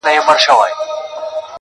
بيزو وان يې پر تخت كښېناوه پاچا سو.!